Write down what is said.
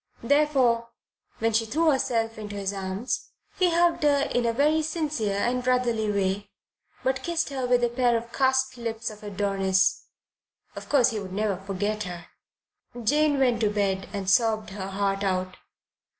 Therefore, when she threw herself into his arms, he hugged her in a very sincere and brotherly way, but kissed her with a pair of cast lips of Adonis. Of course he would never forget her. Jane went to bed and sobbed her heart out.